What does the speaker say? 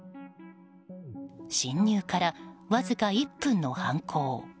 侵入からわずか１分の犯行。